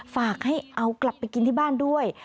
ฝากให้เอากลับไปกินที่บ้านด้วย